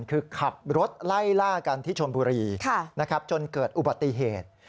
คือขับรถไล่ล่ากันที่ชนบุรีจนเกิดอุบัติเหตุ